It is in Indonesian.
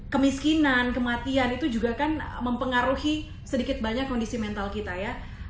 kemiskinan kematian itu juga kan mempengaruhi sedikit banyak kondisi mental kita ya